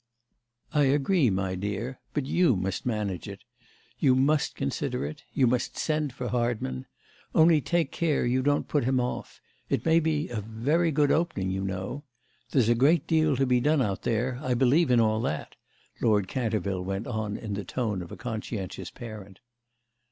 "I agree, my dear; but you must manage it; you must consider it; you must send for Hardman. Only take care you don't put him off; it may be a very good opening, you know. There's a great deal to be done out there; I believe in all that," Lord Canterville went on in the tone of a conscientious parent.